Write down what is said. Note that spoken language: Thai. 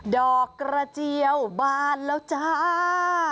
ดอกกระเจียวบานแล้วจ้า